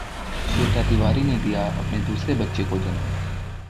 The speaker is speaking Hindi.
श्वेता तिवारी ने दिया अपने दूसरे बच्चे को जन्म